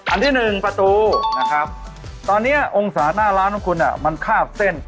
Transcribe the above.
อันที่หนึ่งประตูนะครับตอนนี้องศาหน้าร้านของคุณมันคาบเส้น